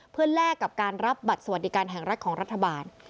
เพื่อแลกกับการรับบัตรสวัสดิการแห่งรัฐของรัฐบาล